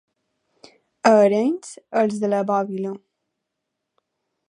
A Arenys, els de la bòbila.